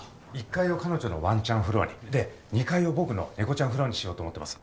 １階を彼女のワンちゃんフロアにで２階を僕の猫ちゃんフロアにしようと思ってます。